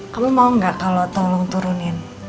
kamu mau nggak kalau tolong turunin